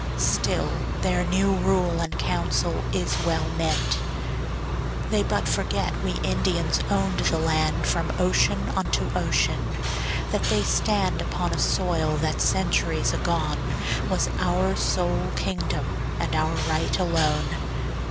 Still their new rule and council is well meant. They but forget we Indians owned the land From ocean unto ocean; that they stand Upon a soil that centuries agone Was our sole kingdom and our right alone.